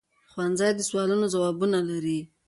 ښوونځی د سوالونو ځوابونه لري